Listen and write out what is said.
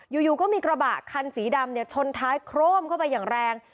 อยู่ก็มีกระบะคันสีดำชนท้ายโครมเข้าไปอย่างแรง